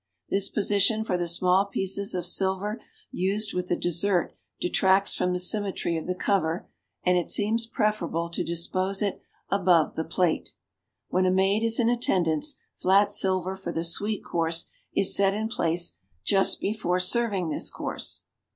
This position for the small pieces of silver used with the dessert detracts from the symmetry of the cover and it seems preferable to dispose it above the plate. When a maid is in attendance flat silver for the sweet course is set in place just before serving this course.